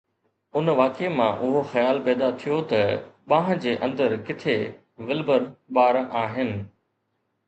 ان واقعي مان اهو خيال پيدا ٿيو ته ٻانهن جي اندر ڪٿي ولبر ٻار آهي.